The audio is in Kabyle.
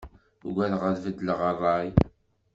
Uggadeɣ ad beddlen rray.